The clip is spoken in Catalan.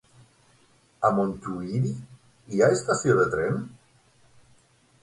A Montuïri hi ha estació de tren?